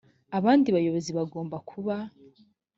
abandi bayobozi bagomba kuba